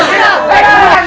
tidak tidak tidak